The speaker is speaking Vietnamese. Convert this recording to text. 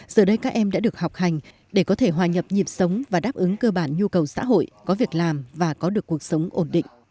giờ đây các em đã được học hành để có thể hòa nhập nhịp sống và đáp ứng cơ bản nhu cầu xã hội có việc làm và có được cuộc sống ổn định